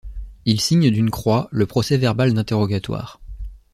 Il signe d’une croix le procès-verbal d’interrogatoire.